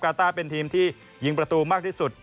ต้าเป็นทีมที่ยิงประตูมากที่สุด